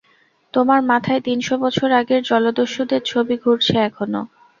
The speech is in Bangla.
তোমার মাথায় তিনশ বছর আগের জলদস্যুদের ছবি ঘুরছে এখনো।